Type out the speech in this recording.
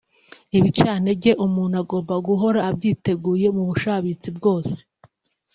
Ibicantege umuntu agomba guhora abyiteguye mu bushabitsi bwose